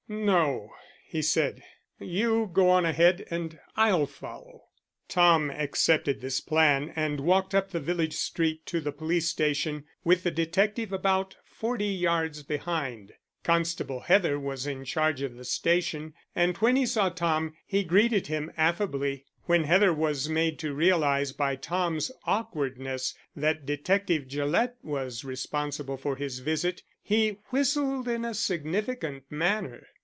"No," he said. "You go on ahead and I'll follow." Tom accepted this plan and walked up the village street to the police station with the detective about forty yards behind. Constable Heather was in charge of the station, and when he saw Tom he greeted him affably. When Heather was made to realize by Tom's awkwardness that Detective Gillett was responsible for his visit, he whistled in a significant manner.